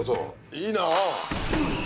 いいなあ。